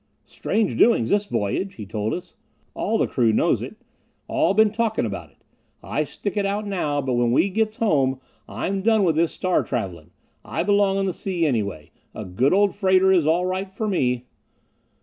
"Strange doings this voyage," he told us. "All the crew knows it all been talkin' about it. I stick it out now, but when we get back home I'm done with this star travelin'. I belong on the sea anyway. A good old freighter is all right for me."